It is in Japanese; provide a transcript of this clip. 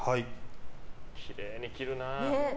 きれいに切るな。